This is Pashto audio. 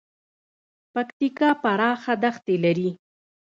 پکتیکا پراخه دښتې لري